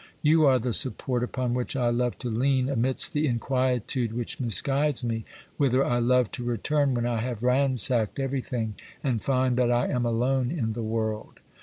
You are the support upon which I love to lean amidst the inquietude which misguides mc, whither I love to return when I have ransacked everything and find that I am alone in the world.